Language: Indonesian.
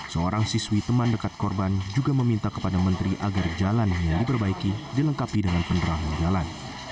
seorang siswi teman dekat korban juga meminta kepada menteri agar jalan yang diperbaiki dilengkapi dengan penerangan jalan